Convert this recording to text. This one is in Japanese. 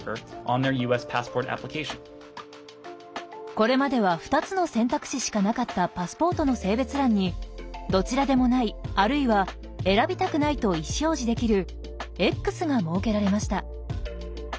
これまでは２つの選択肢しかなかったパスポートの性別欄に「どちらでもない」あるいは「選びたくない」と意思表示できる「Ｘ」が設けられました。